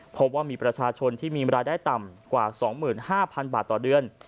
พบว่ามีประชาชนที่มีรายได้ต่ำกว่า๒๕๐๐๐บาทต่อเดือน